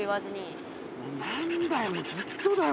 もう何だよもうずっとだよ